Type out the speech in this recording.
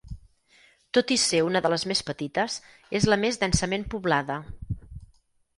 Tot i ser una de les més petites, és la més densament poblada.